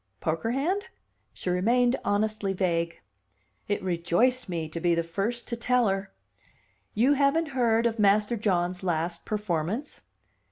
"Poker hand?" She remained honestly vague. It rejoiced me to be the first to tell her. "You haven't heard of Master John's last performance?